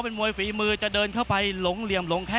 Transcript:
นักมวยจอมคำหวังเว่เลยนะครับ